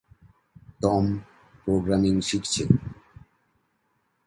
Tom programming শিখছে।